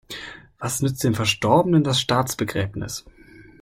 Was nützt dem Verstorbenen das Staatsbegräbnis?